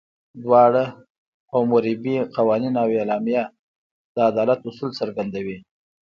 دواړه، حموربي قوانین او اعلامیه، د عدالت اصول څرګندوي.